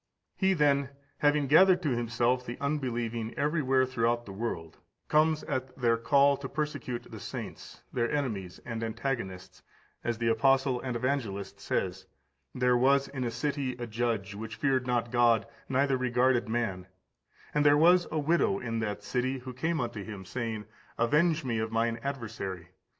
56. He then, having gathered to himself the unbelieving everywhere throughout the world, comes at their call to persecute the saints, their enemies and antagonists, as the apostle and evangelist says: "There was in a city a judge, which feared not God, neither regarded man: and there was a widow in that city, who came unto him, saying, Avenge me of mine adversary.